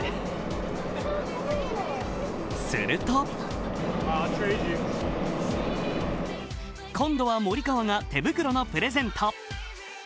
すると今度はモリカワが手袋のプレゼント。